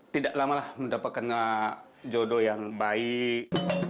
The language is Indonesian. tidak lama lah mendapatkan jodoh yang baik